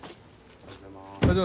おはようございます。